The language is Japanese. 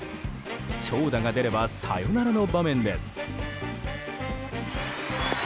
長打が出ればサヨナラの場面です。